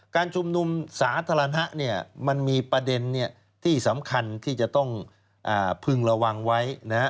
การชุมนุมสาธารณะเนี่ยมันมีประเด็นที่สำคัญที่จะต้องพึงระวังไว้นะฮะ